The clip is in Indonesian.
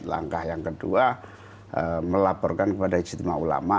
langkah yang kedua melaporkan kepada ijtima ulama